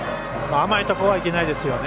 甘いところはいけないですよね。